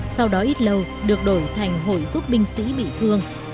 sau đó ít lâu được đổi thành hội giúp binh sĩ bị thương